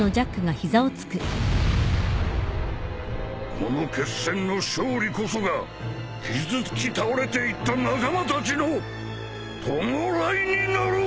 この決戦の勝利こそが傷つき倒れていった仲間たちの弔いになろう！